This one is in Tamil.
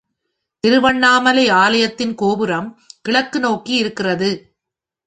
திருவண்ணாமலை ஆலயத்தின் கோபுரம் கிழக்கு நோக்கி இருக்கிறது.